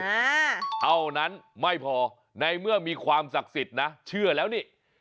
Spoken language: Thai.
เท่านั้นไม่พอในเมื่อมีความศักดิ์สิทธิ์นะเชื่อแล้วนี่